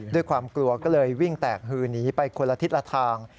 ด้วยความกลัวก็เลยวิ่งแตกฮือหนีไปคนละทิศละทาง